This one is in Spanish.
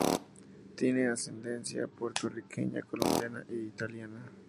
Tiene ascendencia puertorriqueña, colombiana e italiana.